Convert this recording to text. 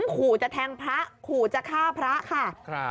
ขู่จะแทงพระขู่จะฆ่าพระค่ะ